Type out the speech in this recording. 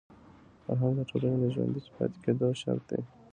فرهنګ د ټولني د ژوندي پاتې کېدو شرط دی.